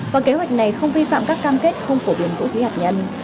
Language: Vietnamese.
và kế hoạch này không vi phạm các cam kết không phổ biến vũ khí hạt nhân